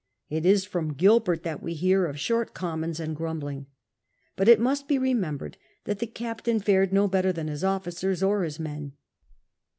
It is from Gilbert tliat wc hear of short commons and grumbling. But it must be remem bered that the captain fared no bettor than his officers or his men.